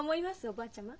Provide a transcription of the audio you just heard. おばあちゃま。